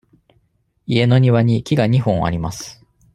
家の庭に木が二本あります。